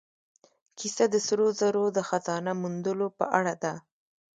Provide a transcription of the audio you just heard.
کیسه د سرو زرو د خزانه موندلو په اړه ده.